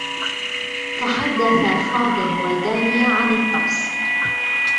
تحدّث فاضل و دانية عن الطقس.